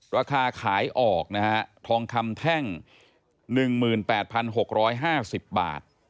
ราคาขายออกนะฮะทองคำแท่ง๑๘๖๕๐บาท